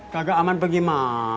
kagak aman bagaimana